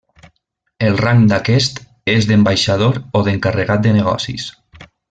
El rang d'aquest és d'ambaixador o d'encarregat de negocis.